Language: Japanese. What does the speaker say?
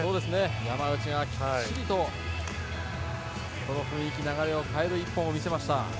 山内がきっちりとこの雰囲気、流れを変える１本を打ちました。